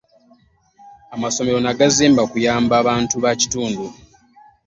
Amasomero nagazimba kuyamba bantu ba kitundu.